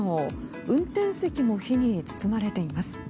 運転席も火に包まれています。